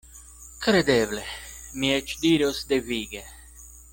Kredeble; mi eĉ diros devige.